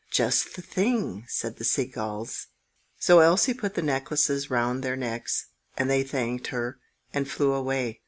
"Just the thing!" said the sea gulls. So Elsie put the necklaces round their necks, and they thanked her, and flew away.